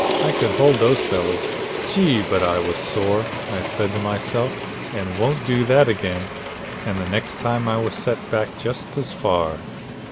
I could hold those fellows. Gee! but I was sore. I said to myself, you won't do that again, and the next time I was set back just as far.